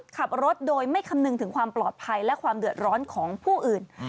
ขับรถโดยไม่คำนึงถึงความปลอดภัยและความเดือดร้อนของผู้อื่น